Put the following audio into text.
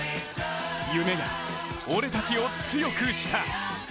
夢が俺たちを強くした。